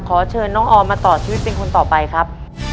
ขอเชิญน้องออมมาต่อชีวิตเป็นคนต่อไปครับ